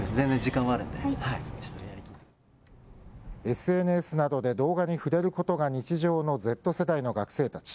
ＳＮＳなどで動画に触れることが日常のＺ世代の学生たち。